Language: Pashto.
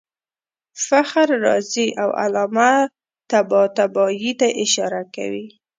فخر رازي او علامه طباطبايي ته اشاره کوي.